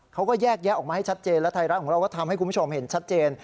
เขาก็แยกแยะออกมาให้ชัดเจนและไทยรัฐของเราก็ทำให้คุณผู้ชมเห็นชัดเจน